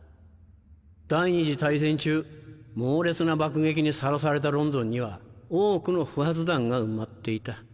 第２次大戦中猛烈な爆撃にさらされたロンドンには多くの不発弾が埋まっていた。